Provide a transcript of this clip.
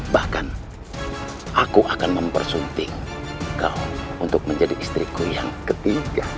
bahkan aku akan mempersunting kau untuk menjadi istriku yang ketiga